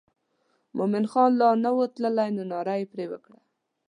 مومن خان لا نه و تللی نو ناره یې پر وکړه.